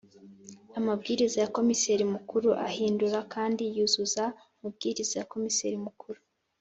Amabwiriza ya Komiseri Mukuru ahindura kandi yuzuza amabwiriza ya Komiseri Mukuru